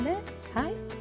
はい。